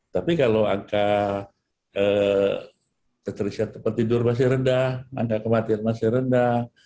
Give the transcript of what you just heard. tapi kalau angka ketidur masih rendah angka kematian masih rendah